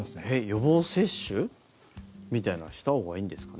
予防接種みたいなのはしたほうがいいんですか？